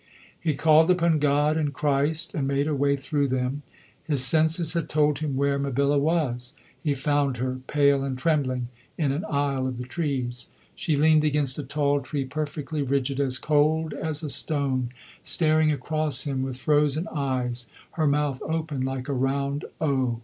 He called upon God and Christ and made a way through them. His senses had told him where Mabilla was. He found her pale and trembling in an aisle of the trees. She leaned against a tall tree, perfectly rigid, "as cold as a stone," staring across him with frozen eyes, her mouth open like a round O.